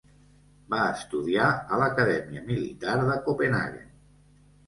Va estudiar a l'Acadèmia Militar de Copenhaguen.